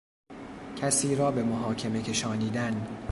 کسی را به محاکمه کشانیدن